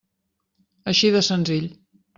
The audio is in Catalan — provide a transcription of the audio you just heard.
Així de senzill.